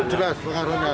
itu jelas pengaruhnya